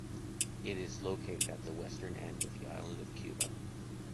It is located at the Western end of the island of Cuba.